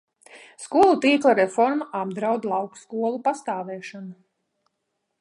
Skolu tīkla reforma apdraud lauku skolu pastāvēšanu.